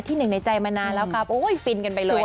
หนึ่งในใจมานานแล้วครับโอ้ยฟินกันไปเลย